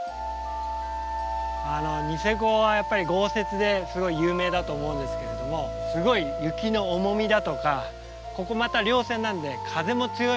ニセコはやっぱり豪雪ですごい有名だと思うんですけれどもすごい雪の重みだとかここまた稜線なんで風も強いわけですね。